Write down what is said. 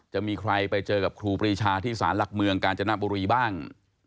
จะมีใครไปเจอกับครูปรีชาที่สารหลักเมืองกาญจนบุรีบ้าง